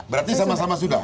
berarti sama sama sudah